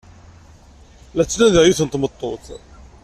La ttnadiɣ yiwet n tmeṭṭut.